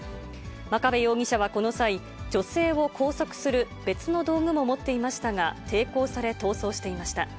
真壁容疑者はこの際、女性を拘束する別の道具も持っていましたが、抵抗され、逃走していました。